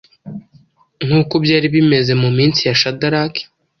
Nk’uko byari bimeze mu minsi ya Shadaraki,